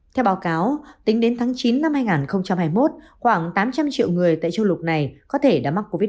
theo báo cáo tính đến tháng chín năm hai nghìn hai mươi một khoảng tám trăm linh triệu người tại châu lục này có thể đã mắc covid một mươi chín